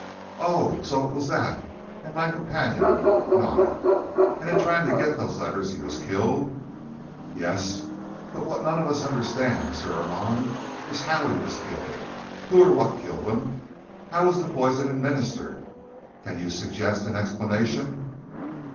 "Oh, so it was that!" and my companion nodded. "And in trying to get those letters, he was killed?" "Yes, but what none of us understands, M. Armand, is how he was killed. Who or what killed him? How was that poison administered? Can you suggest an explanation?"